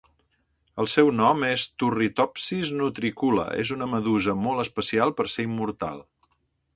El seu nom és Turritopsis Nutricula és una medusa molt especial per ser immortal